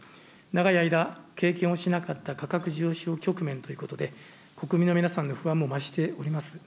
長い間、経験をしなかった価格上昇局面ということで、国民の皆さんの不安も増しております。